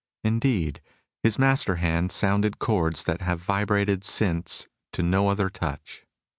Indeed, his master hand sounded chords that have vibrated since to no other touch.